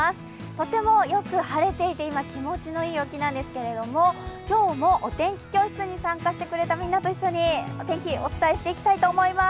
とてもよく晴れていて、今、気持ちのいい陽気なんですけれども、今日もお天気教室に参加してくれたみんなと一緒にお天気お伝えしていきたいと思います。